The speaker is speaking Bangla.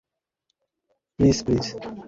Please, please.